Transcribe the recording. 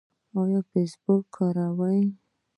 ایا فیسبوک کاروئ؟